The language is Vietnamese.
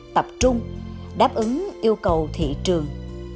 tập trung đáp ứng yêu cầu thị trường